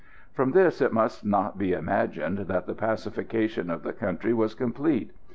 From this it must not be imagined that the pacification of the country was complete.